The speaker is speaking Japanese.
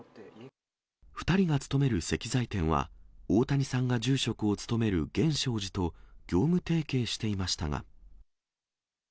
２人が勤める石材店は、大谷さんが住職を務めるげんしょう寺と、業務提携していましたが。